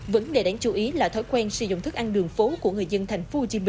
vấn đề đáng chú ý là thói quen sử dụng thức ăn đường phố của người dân tp hcm